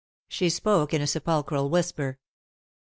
She spoke in a sepulchral whisper.